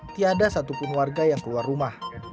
tidak ada satupun warga yang keluar rumah